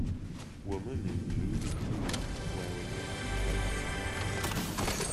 Woman in blue bikini wearing a free hugs sign.